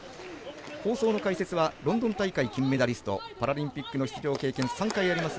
放送の解説はロンドン大会金メダリストパラリンピック出場の経験３回あります。